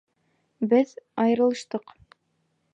Беҙ... айырылыштыҡ!